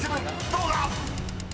どうだ⁉］